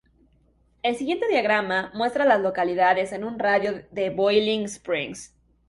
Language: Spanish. El siguiente diagrama muestra a las localidades en un radio de de Boiling Springs.